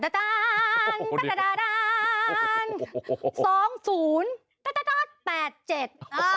ซองสูญแปดเจ็ด